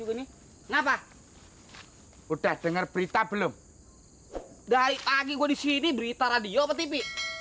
udah denger berita belum dari pagi gue di sini berita radio petipik